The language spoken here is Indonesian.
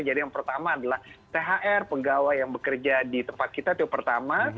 jadi yang pertama adalah thr penggawa yang bekerja di tempat kita itu pertama